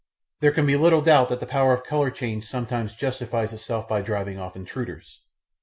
There can be little doubt that the power of colour change sometimes justifies itself by driving off intruders.